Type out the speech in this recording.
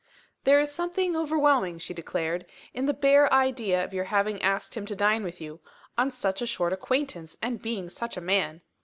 "There is something overwhelming," she declared, "in the bare idea of your having asked him to dine with you on such a short acquaintance, and being such a man!